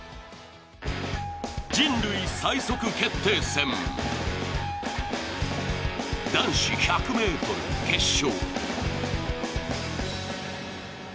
人類最速決定戦、男子１００ｍ決勝。